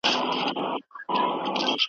څنګه د بورا د سینې اور وینو .